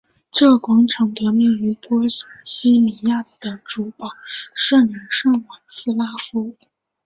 这个广场得名于波希米亚的主保圣人圣瓦茨拉夫。